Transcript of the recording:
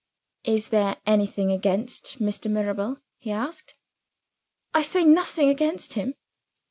"Is there anything against Mr. Mirabel?" he asked. "I say nothing against him."